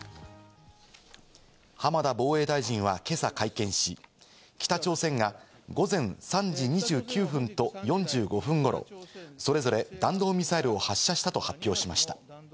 浜田防衛大臣は今朝会見し、北朝鮮が午前３時２９分と４５分ごろ、それぞれ弾道ミサイルを発射したと発表しました。